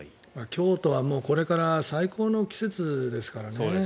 京都はこれから最高の季節ですからね。